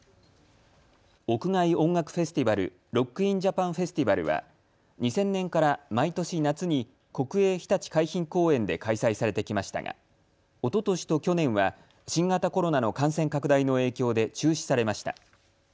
屋外音楽フェスティバル、ロック・イン・ジャパンフェスティバルは２０００年から毎年夏に国営ひたち海浜公園で開催されてきましたがおととしと去年は新型コロナの感染拡大の影響で中止されました。